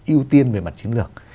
ưu tiên về mặt chiến lược